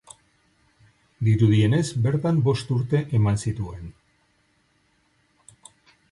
Dirudienez bertan bost urte eman zituen.